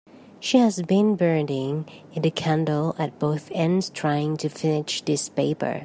She has been burning the candle at both ends trying to finish this paper.